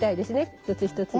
一つ一つが。